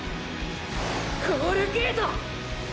ゴールゲート！！